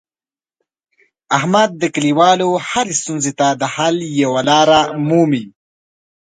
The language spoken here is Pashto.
احمد د کلیوالو هرې ستونزې ته د حل یوه لاره مومي.